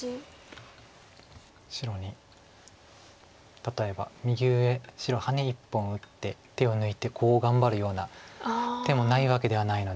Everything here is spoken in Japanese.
白に例えば右上白ハネ１本打って手を抜いてコウを頑張るような手もないわけではないので。